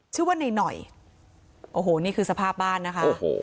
ชื่อว่าในหน่อยโอ้โหนี่คือสภาพบ้านนะคะโอ้โห